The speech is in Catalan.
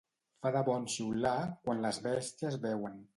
Fa de bon xiular quan les bèsties beuen.